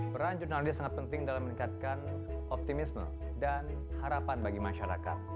peran jurnalis sangat penting dalam meningkatkan optimisme dan harapan bagi masyarakat